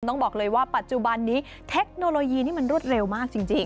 ต้องบอกเลยว่าปัจจุบันนี้เทคโนโลยีนี่มันรวดเร็วมากจริง